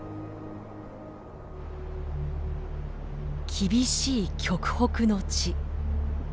厳しい極北の地。